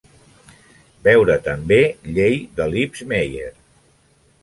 Veure també: llei de Lipps-Meyer